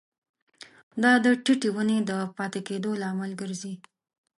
دا د ټیټې ونې د پاتې کیدو لامل ګرځي.